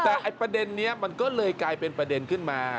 แต่ประเด็นนี้มันก็เลยกลายเป็นประเด็นขึ้นมา